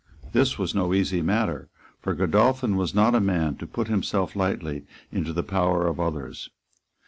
This was no easy matter; for Godolphin was not a man to put himself lightly into the power of others.